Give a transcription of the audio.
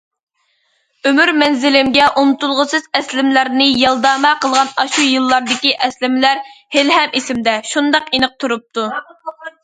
ئۆمۈر مەنزىلىمگە ئۇنتۇلغۇسىز ئەسلىمىلەرنى يالداما قىلغان ئاشۇ يىللاردىكى ئەسلىمىلەر ھېلىھەم ئېسىمدە شۇنداق ئېنىق تۇرۇپتۇ.